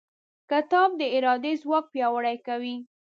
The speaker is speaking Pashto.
کتاب د ارادې ځواک پیاوړی کوي.